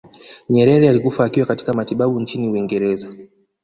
nyerere alikufa akiwa katika matibabu nchini uingereza